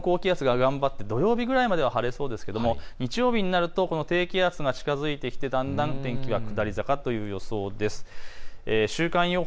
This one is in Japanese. どうにかこの高気圧が頑張って土曜日くらいまでは晴れそうですが日曜日になるとこの低気圧が近づいてきてだんだん天気が下り坂という予想です。